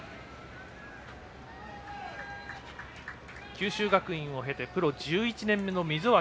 九州学院を経てプロ１１年目の溝脇